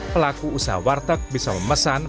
pelaku usaha warteg bisa memesan